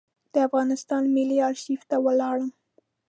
د افغانستان ملي آرشیف ته ولاړم.